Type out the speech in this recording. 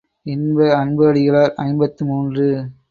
இன்ப அன்பு அடிகளார் ஐம்பத்து மூன்று.